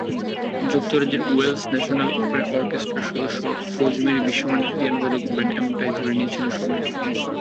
যুক্তরাজ্যের Welsh National Opera অর্কেস্ট্রার সদস্য রোজমেরি বিশ্বমানের পিয়ানোবাদক হবেন—এমনটাই ধরে নিয়েছিল সবাই।